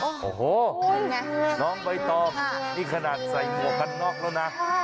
โอ้โหน้องใบตองนี่ขนาดใส่หมวกกันน็อกแล้วนะ